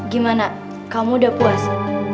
gimana kamu udah puas